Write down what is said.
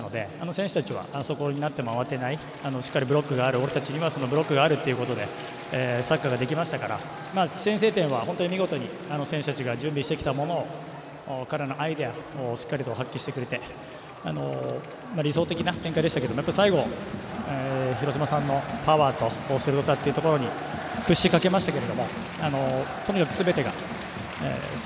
選手たちはそうなっても慌てない俺たちにはブロックがあるということでサッカーができましたから先制点は本当に見事に選手たちが準備してきたものからのアイデアをしっかりと発揮してくれて理想的な展開でしたけどもやっぱり最後、広島さんのパワーと鋭さというところに屈しかけましたけどもとにかく、すべてＯＫ。